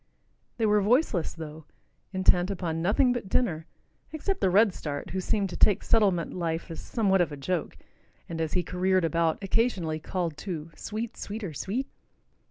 They were voiceless, though, intent upon nothing but dinner, except the redstart, who seemed to take settlement life as somewhat of a joke and, as he careered about, occasionally called to "sweet, sweeter, sweet."